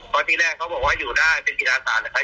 พอดีแรกเขาบอกว่าอยู่ได้เป็นศิษย์อาสาร